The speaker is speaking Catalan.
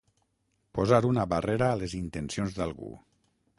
Posar una barrera a les intencions d'algú.